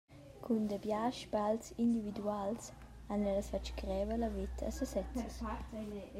Cun dabia sbagls individuals han ellas fatg greva la veta a sesezzas.